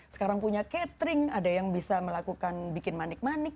sekarang punya catering ada yang bisa melakukan bikin manik manik